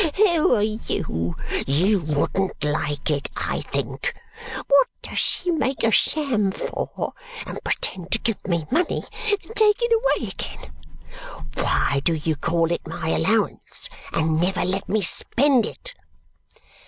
Who are you! YOU wouldn't like it, I think? What does she make a sham for, and pretend to give me money, and take it away again? Why do you call it my allowance, and never let me spend it?"